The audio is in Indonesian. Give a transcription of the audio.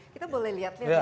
kita boleh lihat lihat ya kan